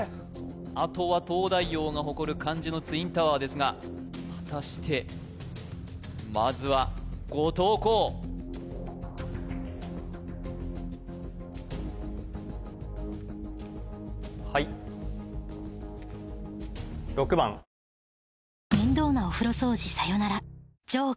あとは東大王が誇る漢字のツインタワーですが果たしてまずは後藤弘はい後藤弘